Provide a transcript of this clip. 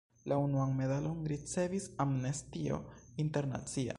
La unuan medalon ricevis Amnestio Internacia.